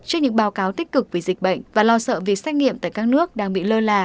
trước những báo cáo tích cực về dịch bệnh và lo sợ việc xét nghiệm tại các nước đang bị lơ là